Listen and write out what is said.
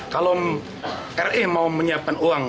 kalau r e mau menyiapkan uang